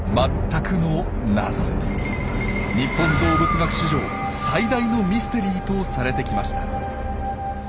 日本動物学史上最大のミステリーとされてきました。